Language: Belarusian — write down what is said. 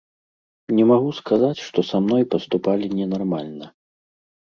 Не магу сказаць, што са мной паступалі ненармальна.